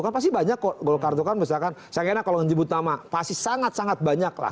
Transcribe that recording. kan pasti banyak kok golkar itu kan misalkan saya kira kalau menyebut nama pasti sangat sangat banyak lah